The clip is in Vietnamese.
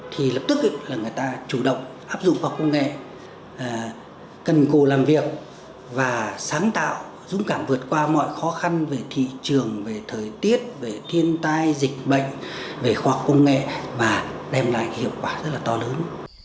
thì lập tức là người ta chủ động áp dụng khoa học công nghệ cần cù làm việc và sáng tạo dũng cảm vượt qua mọi khó khăn về thị trường về thời tiết về thiên tai dịch bệnh về khoa học công nghệ và đem lại hiệu quả rất là to lớn